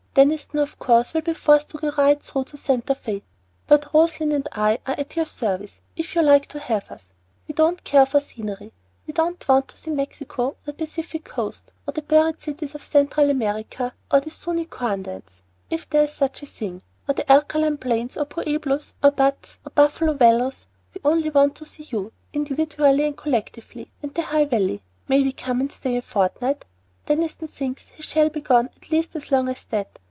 Deniston, of course, will be forced to go right through to Santa Fé, but Röslein and I are at your service if you like to have us. We don't care for scenery, we don't want to see Mexico or the Pacific coast, or the buried cities of Central America, or the Zuñi corn dance, if there is such a thing, or any alkaline plains, or pueblos, or buttes, or buffalo wallows; we only want to see you, individually and collectively, and the High Valley. May we come and stay a fortnight? Deniston thinks he shall be gone at least as long as that.